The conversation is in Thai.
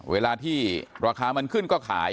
เวลาที่ราคามันขึ้นก็ขาย